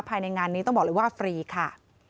ภายในงานนี้ต้องบอกเลยว่าฟรีค่ะ